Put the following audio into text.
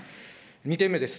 ２点目です。